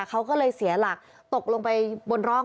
เขาก็เลยเสียหลักตกลงไปบนร่อง